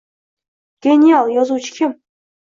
Genial yozuvchi kim?